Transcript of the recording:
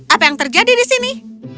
apa yang terjadi di sini